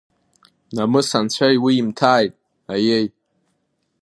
Намыс анцәа иуимҭааит, аиеи…